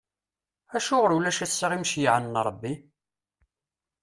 Acuɣer ulac ass-a imceyyɛen n Ṛebbi?